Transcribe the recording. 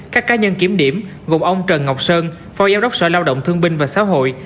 các cá nhân kiểm điểm gồm ông trần ngọc sơn phó giáo đốc sở lao động thương binh và xã hội